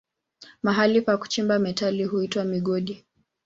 Mahali pa kuchimba metali huitwa migodi.